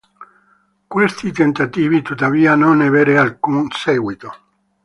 Questi tentativi tuttavia non ebbero alcun seguito.